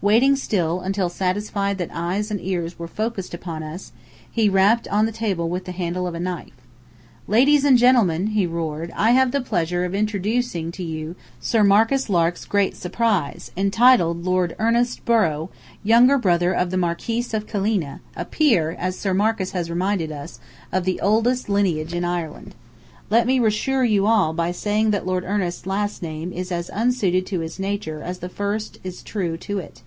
Waiting still, until satisfied that eyes and ears were focussed upon us, he rapped on the table with the handle of a knife. "Ladies and gentlemen," he roared, "I have the pleasure of introducing to you Sir Marcus Lark's Great Surprise, entitled Lord Ernest Borrow, younger brother of the Marquis of Killeena, a peer, as Sir Marcus has reminded us, of the oldest lineage in Ireland. Let me reassure you all by saying that Lord Ernest's last name is as unsuited to his nature as the first is true to it.